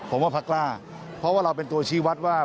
ผมว่าพักกล้าเพราะว่าเราเป็นตัวชี้วัดว่า